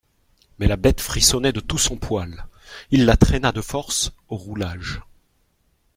Mais la bête frissonnait de tout son poil, il la traîna de force au roulage.